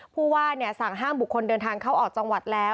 ผู้ว่าสั่งห้ามบุคคลเดินทางเข้าออกจังหวัดแล้ว